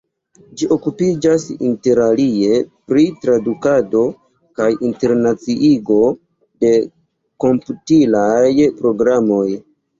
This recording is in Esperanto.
Ĝi okupiĝas interalie pri tradukado kaj internaciigo de komputilaj programoj.